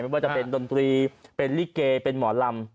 ว่าจะเป็นดนตรีเป็นลิเกเป็นหมอลำ